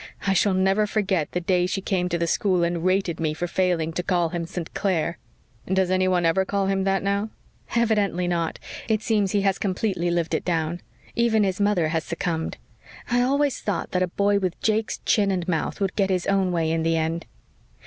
I shall never forget the day she came to the school and rated me for failing to call him St. Clair." "Does anyone ever call him that now?" "Evidently not. It seems that he has completely lived it down. Even his mother has succumbed. I always thought that a boy with Jake's chin and mouth would get his own way in the end.